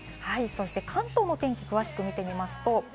関東の天気を詳しく見てきます。